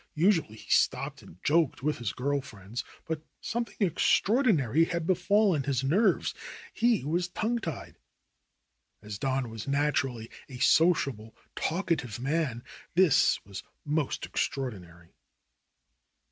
Usually he stopped and joked with his girl friends, but something extraordinary had befallen his nerves; he was tongue tied. As Don was naturally a sociable, talkative man, this was most ex traordinary.